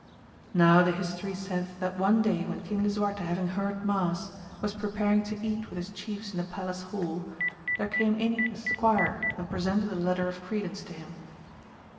Now the history saith that one day when King Lisuarte having heard mass, was preparing to eat with his chiefs in the palace hall, there came in a squire and presented a letter of credence to him.